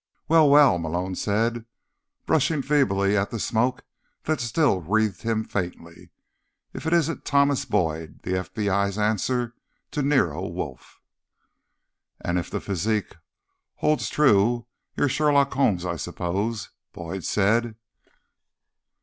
"Well, well," Malone said, brushing feebly at the smoke that still wreathed him faintly. "If it isn't Thomas Boyd, the FBI's answer to Nero Wolfe." "And if the physique holds true, you're Sherlock Holmes, I suppose," Boyd said.